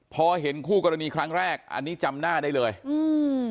พอเห็นคู่กรณีครั้งแรกอันนี้จำหน้าได้เลยอืม